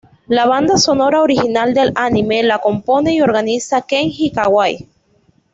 La banda sonora original del anime lo compone y organiza Kenji Kawai.